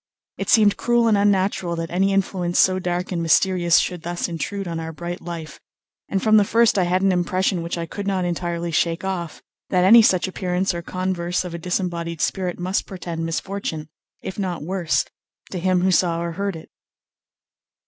It seemed cruel and unnatural that any influence so dark and mysterious should thus intrude on our bright life, and from the first I had an impression which I could not entirely shake off, that any such appearance or converse of a disembodied spirit must portend misfortune, if not worse, to him who saw or heard it.